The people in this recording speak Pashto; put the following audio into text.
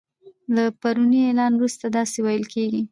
له پروني اعلان وروسته داسی ویل کیږي